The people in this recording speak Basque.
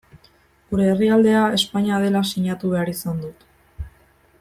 Gure herrialdea Espainia dela sinatu behar izan dut.